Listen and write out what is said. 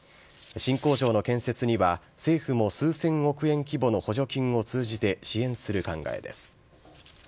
新工場の建設には、政府も数千億円規模の補助金を通じて支援する考えです。